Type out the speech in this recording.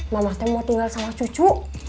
mamah pasti mau tinggal sama cucu